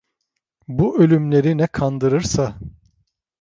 Bu ölümleri ne kandırırsa